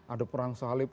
ada perang salib